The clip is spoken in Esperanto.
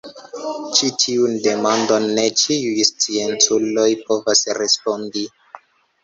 Ĉi-tiun demandon ne ĉiuj scienculoj povos respondi.